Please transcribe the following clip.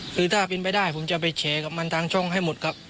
คือถ้าเป็นไปได้ผมจะไปแชร์กับมันทางช่องให้หมดครับ